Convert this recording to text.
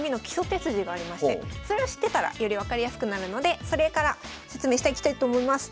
手筋がありましてそれを知ってたらより分かりやすくなるのでそれから説明していきたいと思います。